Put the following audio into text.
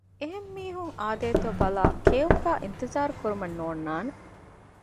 އެހެން މީހުން އާދޭތޯ ބަލައި ކެއުމުގައި އިންތިޒާރު ކުރުމެއް ނޯންނާނެ